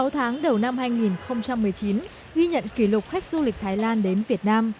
sáu tháng đầu năm hai nghìn một mươi chín ghi nhận kỷ lục khách du lịch thái lan đến việt nam